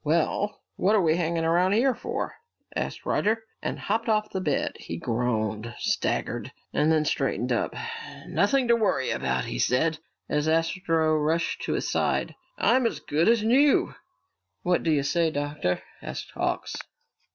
"Well, what are we hanging around here for?" asked Roger, and hopped off the bed. He groaned, staggered, and then straightened up. "Nothing to worry about," he said, as Astro rushed to his side. "I'm as good as new!" "What do you say, Doctor?" asked Hawks.